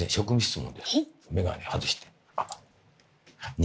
眼鏡外して。